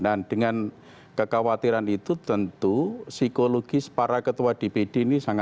dan dengan kekhawatiran itu tentu psikologis para ketua dpd